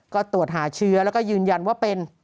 ก็ตรวจหาเชื้อแล้วก็ยืนยันว่าเป็น